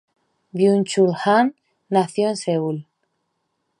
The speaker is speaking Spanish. Byung-Chul Han nació en Seúl.